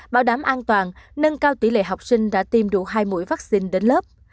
bảo đảm an toàn nâng cao tỷ lệ học sinh đã tiêm đủ hai mũi vaccine đến lớp